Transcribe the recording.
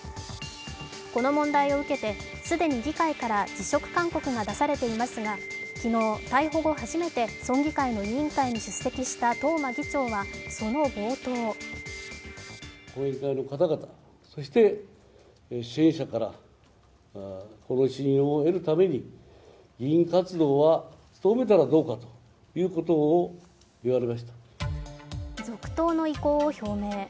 この問題を受けて、既に議会から辞職勧告が出されていますが、昨日、逮捕後初めて村議会の委員会に出席した東間議長は、その冒頭続投の意向を表明。